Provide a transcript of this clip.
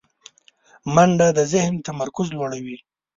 منډه د ذهن تمرکز لوړوي